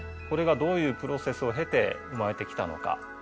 これがどういうプロセスを経て生まれてきたのか。